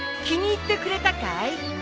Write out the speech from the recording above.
気に入ってくれたかい？